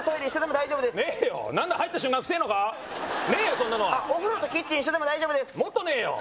そんなのはお風呂とキッチン一緒でも大丈夫ですもっとねえよ